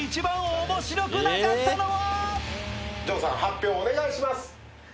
ジョさん発表お願いします。